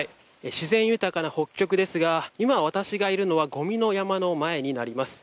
自然豊かな北極ですが今、私がいるのはごみの山の前になります。